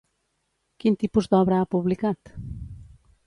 Quin tipus d'obra ha publicat?